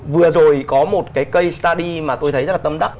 vừa rồi có một cái k study mà tôi thấy rất là tâm đắc